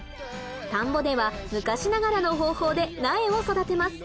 田んぼでは昔ながらの方法で苗を育てます。